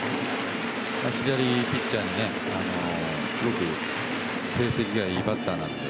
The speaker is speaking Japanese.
左ピッチャーに対してすごく成績がいいバッターなので。